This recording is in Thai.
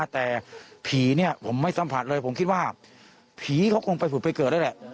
แต่ผีเนี่ยผมไม่สัมผัสเลยผมคิดว่าผีเขาคงไปผุดไปเกิดนั่นแหละ